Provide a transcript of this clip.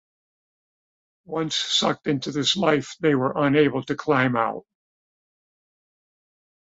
Once sucked into this life they were unable to climb out.